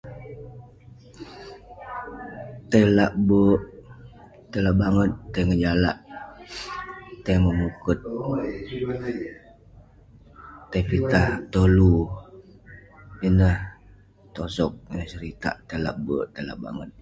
Tai lak berk, tai la banget, tai ngejalak, tai memukert, tai pitah betolu, ineh tosoh ineh seritak tai lak berk, tai lak banget..